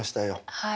はい。